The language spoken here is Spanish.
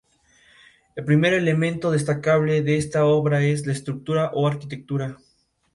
Fue enterrado en el Cementerio de Mauer, en la actual Viena.